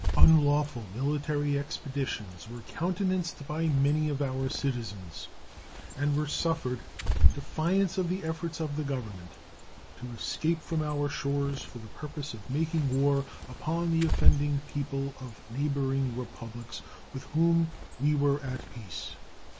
Unlawful military expeditions were countenanced by many of our citizens, and were suffered, in defiance of the efforts of the Government, to escape from our shores for the purpose of making war upon the offending people of neighboring republics with whom we were at peace.